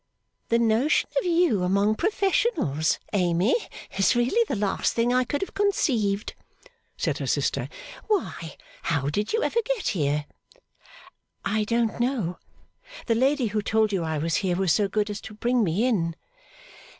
'The notion of you among professionals, Amy, is really the last thing I could have conceived!' said her sister. 'Why, how did you ever get here?' 'I don't know. The lady who told you I was here, was so good as to bring me in.